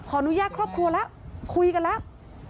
อนุญาตครอบครัวแล้วคุยกันแล้ว